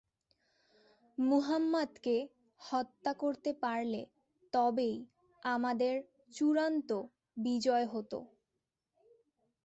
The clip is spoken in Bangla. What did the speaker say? মুহাম্মাদকে হত্যা করতে পারলে তবেই আমাদের চুড়ান্ত বিজয় হত।